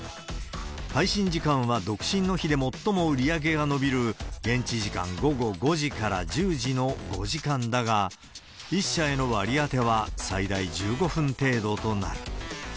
配信時間は、独身の日で最も売り上げが伸びる現地時間午後５時から１０時の５時間だが、１社への割り当ては最大１５分程度となる。